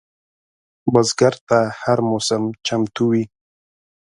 بزګر ته هره موسم چمتو وي